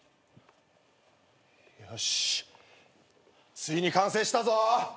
ついに完成したぞ。